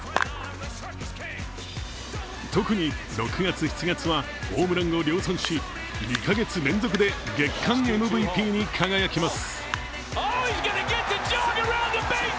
特に６月、７月はホームランを量産し、２カ月連続で月間ＭＶＰに輝きます。